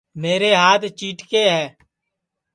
میرے ہات چِیٹکے ہے